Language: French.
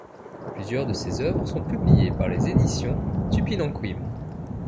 Plusieurs de ses œuvres sont publiées par les Éditions Tupynanquim.